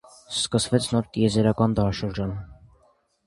Սկսվեց նոր տիեզերական դարաշրջան։